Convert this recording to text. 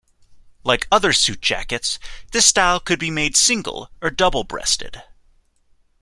Like other suit jackets, this style could be made single or double-breasted.